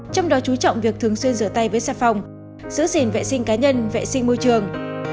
trong đó chú trọng việc thường xuyên rửa tay với xà phòng giữ gìn vệ sinh cá nhân vệ sinh môi trường